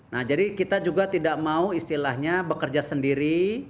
nah jadi kita juga tidak mau istilahnya bekerja sendiri